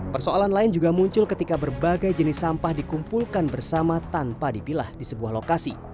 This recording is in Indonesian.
persoalan lain juga muncul ketika berbagai jenis sampah dikumpulkan bersama tanpa dipilah di sebuah lokasi